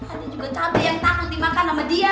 ada juga cabai yang tanah dimakan sama dia